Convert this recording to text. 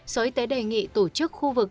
sở y tế đề nghị tổ chức khu vực